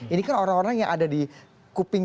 ini kan orang orang yang ada di kuping